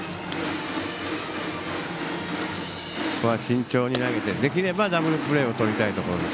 ここは慎重に投げてできればダブルプレーをとりたいところ。